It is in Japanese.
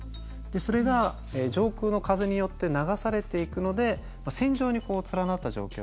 それが上空の風によって流されていくので線状に連なった状況になるんですね。